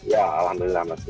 ya alhamdulillah mas